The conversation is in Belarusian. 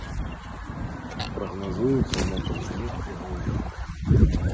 Прагназуюцца мокры снег і галалёд.